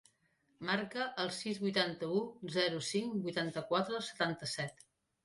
Marca el sis, vuitanta-u, zero, cinc, vuitanta-quatre, setanta-set.